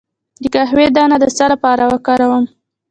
د قهوې دانه د څه لپاره وکاروم؟